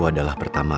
hahaha topeng anda